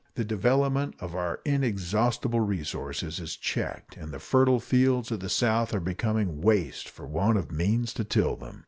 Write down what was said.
The development of our inexhaustible resources is checked, and the fertile fields of the South are becoming waste for want of means to till them.